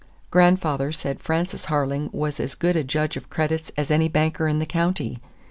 Grandfather said Frances Harling was as good a judge of credits as any banker in the county.